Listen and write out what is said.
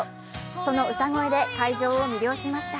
その歌声で会場を魅了しました。